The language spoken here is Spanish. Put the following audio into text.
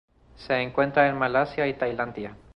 Se encuentra en Malasia y Tailandia.